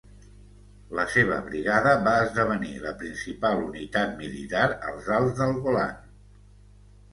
La seva brigada va esdevenir la principal unitat militar als Alts del Golan.